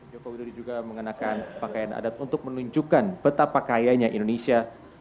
jokowi dodo juga menggunakan pakaian adat untuk menunjukkan betapa kayanya indonesia